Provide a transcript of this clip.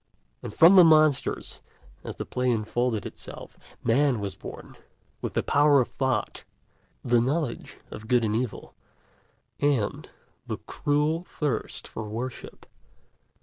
And from the monsters, as the play unfolded itself, Man was born, with the power of thought, the knowledge of good and evil, and the cruel thirst for worship.